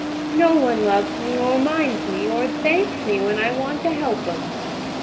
"No one loves me, or minds me, or thanks me when I want to help 'em.